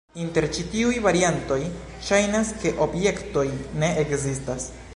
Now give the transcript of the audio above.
Inter ĉi tiuj variantoj ŝajnas ke objektoj ne ekzistas.